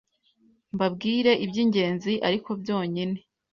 Mbabwire iby’ingenzi ark byonyine: